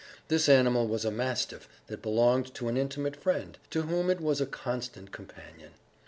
This animal was a mastiff that belonged to an intimate friend, to whom it was a constant companion.